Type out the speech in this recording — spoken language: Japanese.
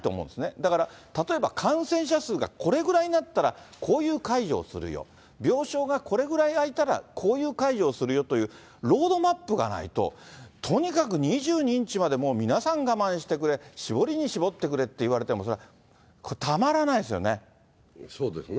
だから例えば感染者数がこれぐらいになったら、こういう解除をするよ、病床がこれくらい空いたらこういう解除をするという、ロードマップがないと、とにかく２２日までもう皆さん我慢してくれ、絞りに絞ってくれと言われても、それ、たまらないですよね。